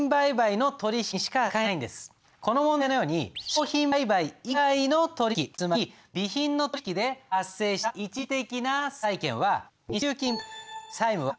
この問題のように商品売買以外の取引つまり備品の取引で発生した一時的な債権は未収金。